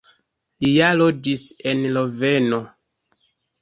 Li ja loĝis en Loveno.